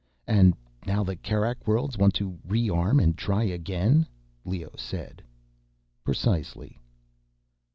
"And now the Kerak Worlds want to rearm and try again," Leoh said. "Precisely."